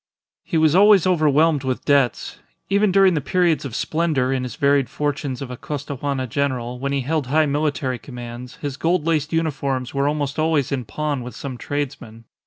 He was always overwhelmed with debts; even during the periods of splendour in his varied fortunes of a Costaguana general, when he held high military commands, his gold laced uniforms were almost always in pawn with some tradesman.